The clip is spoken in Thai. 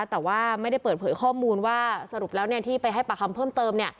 แต่ว่าไม่ได้เปิดเผยข้อมูลว่าสรุปแล้วที่ไปให้ปากคำเพิ่มเติม